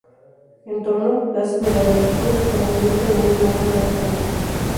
Entorno: Plaza de la Vera Cruz con la Ermita del mismo nombre al fondo.